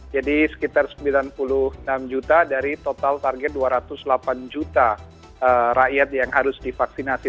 jadi sekitar sembilan puluh enam juta dari total target dua ratus delapan juta rakyat yang harus divaksinasi